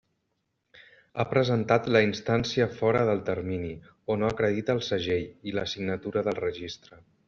Ha presentat la instància fora del termini o no acredita el segell i la signatura del registre.